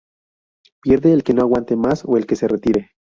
Pierde el que no aguante más, o el que se retire.